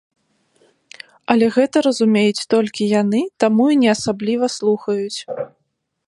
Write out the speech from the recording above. Але гэта разумеюць толькі яны, таму і не асабліва слухаюць.